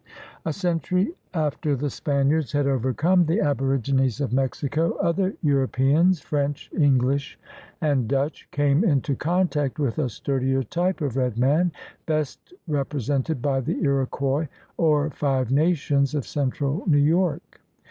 A century after the Spaniards had overcome the aborigines of Mexico, other Europeans — French,. Enghsh, and Dutch — came into contact with a sturdier type of red man, best represented by the Iroquois or Five Nations of central New York.